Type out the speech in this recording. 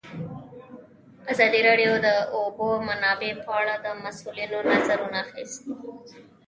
ازادي راډیو د د اوبو منابع په اړه د مسؤلینو نظرونه اخیستي.